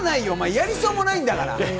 やりそうもないんだから。